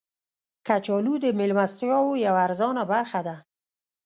کچالو د میلمستیاو یوه ارزانه برخه ده